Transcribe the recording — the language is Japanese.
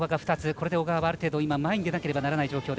これで小川はある程度前に出なければいけない状況。